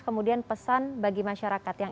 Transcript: kemudian pesan bagi masyarakat yang